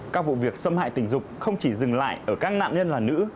các vụ việc xâm hại tình dục không chỉ dừng lại ở các nạn nhân là nữ